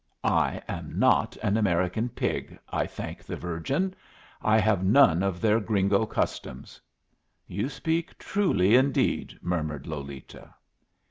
"I am not an American pig, I thank the Virgin! I have none of their gringo customs." "You speak truly indeed," murmured Lolita.